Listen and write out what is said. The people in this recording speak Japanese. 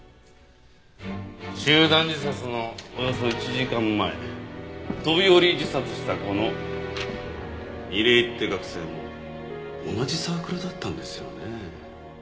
集団自殺のおよそ１時間前飛び降り自殺したこの楡井って学生も同じサークルだったんですよね？